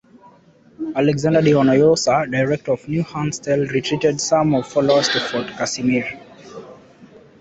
Alexander D’Hinoyossa director of New Amstel retreated with some followers to Fort Casimir.